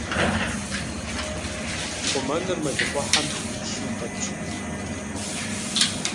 Хъумэныр мэлыхъуэхьэм и лъым хэтщ.